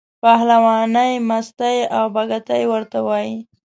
پهلوانۍ، مستۍ او بګتۍ ورته وایي.